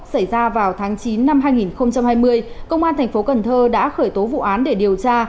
xảy ra vào tháng chín năm hai nghìn hai mươi công an thành phố cần thơ đã khởi tố vụ án để điều tra